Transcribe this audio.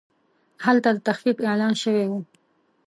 هلته د تخفیف اعلان شوی و.